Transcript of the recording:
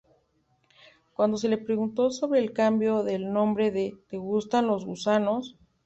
Cuando se le preguntó sobre el cambio de nombre de "¿Te gustan los gusanos?